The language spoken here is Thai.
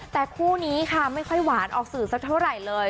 แต่คู่นี้ค่ะไม่ค่อยหวานออกสื่อสักเท่าไหร่เลย